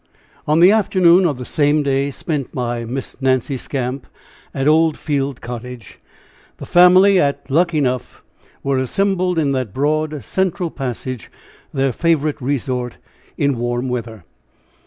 On the afternoon of the same day spent by Miss Nancy Skamp at Old Field Cottage, the family at Luckenough were assembled in that broad, central passage, their favorite resort in warm weather.